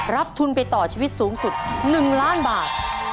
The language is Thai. ทุนไปต่อชีวิตสูงสุด๑ล้านบาท